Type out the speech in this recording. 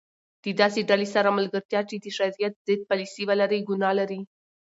د داسي ډلي سره ملګرتیا چي د شرعیت ضد پالسي ولري؛ ګناه لري.